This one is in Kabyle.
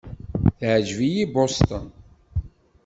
Teɛjeb-iyi Boston.